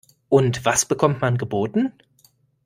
Und was bekommt man geboten?